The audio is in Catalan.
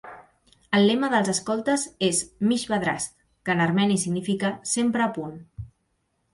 El lema dels escoltes és "Misht Badrast", que en armeni significa "Sempre a punt".